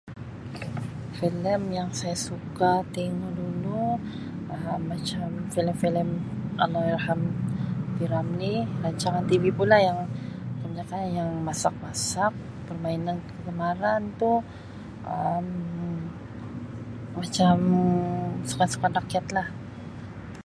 Filem yang saya suka tingu dulu Um macam filem-filem Allahyarham P.Ramlee. Rancangan TV pula yang kebanyakkan yang masak-masak, permainan kegemaran tu Um macam sukan-sukan rakyat lah.